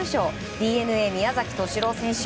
ＤｅＮＡ宮崎敏郎選手。